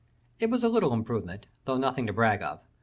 It was a little improvement, though nothing to brag of.